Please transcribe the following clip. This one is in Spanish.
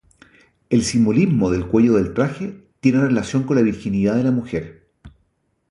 El simbolismo del cuello del traje tiene relación con la virginidad de la mujer.